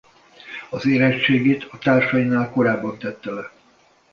Az érettségit a társainál korábban tette le.